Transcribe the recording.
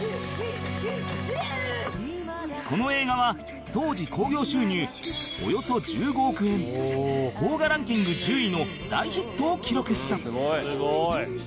この映画は当時興行収入およそ１５億円邦画ランキング１０位の大ヒットを記録した